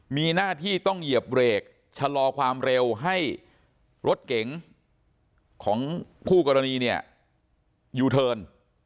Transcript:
มีหน้าที่ต้องเหยียบเบรกชะลอความเร็วให้รถเก๋งของคู่กรณีเนี่ยยูเทิร์น